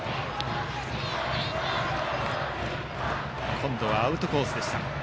今度はアウトコースに投げました。